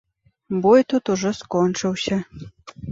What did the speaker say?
Бой тут ужо скончыўся.